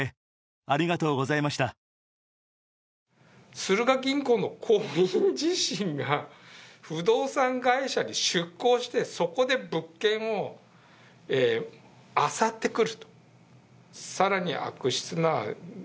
スルガ銀行の行員自身が不動産会社に出向して、そこで物件をあさってくる。